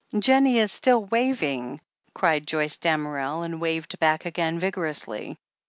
"Jennie is still waving!" cried Joyce Damerel, and waved back again vigorously.